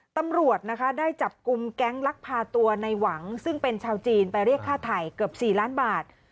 ตำรวจนะคะได้จับกลุ่มแก๊งลักพาตัวในหวังซึ่งเป็นชาวจีนไปเรียกค่าไถ่เกือบ๔ล้านบาท